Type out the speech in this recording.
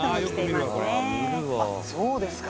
「あっそうですか！」